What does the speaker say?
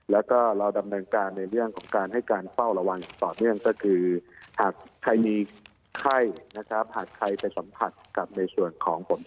แล้วก็เราดำเนินการในเรื่องของการให้การเฝ้าระวังต่อเนื่องก็คือหากใครมีไข้นะครับหากใครไปสัมผัสกับในส่วนของผล